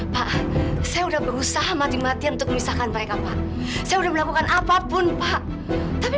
pak saya udah berusaha mati matian untuk memisahkan mereka pak saya udah melakukan apapun pak tapi